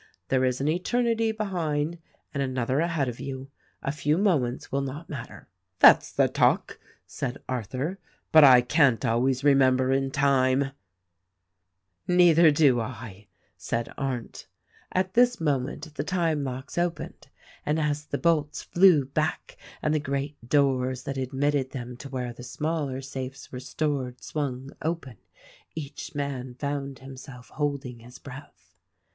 'There is an eternity behind and another ahead of von : a few moments will not mat ter.'" "That's the talk!" said Arthur, "but I can't always remember in time." THE RECORDING ANGEL 247 "Neither do I," said Arndt. At this moment the time locks opened; and as the bolts flew back and the great doors that admitted them to where the smaller safes were stored swung open, each man found himself holding his breath.